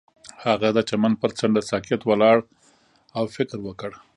هغه د چمن پر څنډه ساکت ولاړ او فکر وکړ.